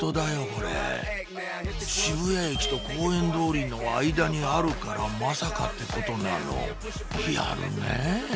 これ渋谷駅と公園通りの間にあるから「間坂」ってことなのやるね！